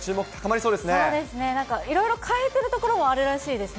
そうですね、なんかいろいろ変えてるところもあるらしいですね。